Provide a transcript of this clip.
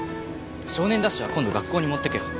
「少年ダッシュ」は今度学校に持ってくよ。